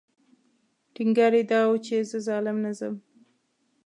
ټینګار یې دا و چې زه ظالم نه ځم.